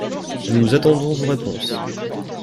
Nous attendons vos réponses